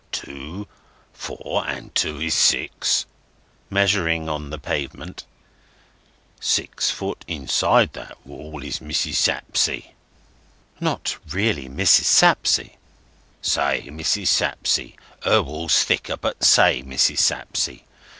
Two; four; and two is six," measuring on the pavement. "Six foot inside that wall is Mrs. Sapsea." "Not really Mrs. Sapsea?" "Say Mrs. Sapsea. Her wall's thicker, but say Mrs. Sapsea.